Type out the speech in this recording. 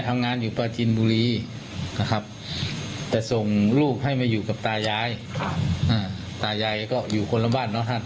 แต่ส่งลูกให้มาอยู่กับตายายอ่าตายายก็อยู่คนละบ้านเนอะท่าน